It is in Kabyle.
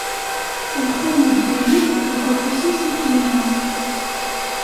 Telqay n ddunit, deg ufus-is i tella.